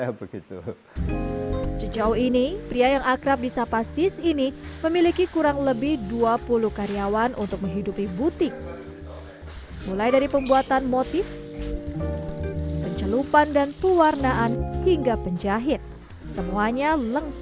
ia lebih akrab di sapa abah wahyu atau wahyu kujang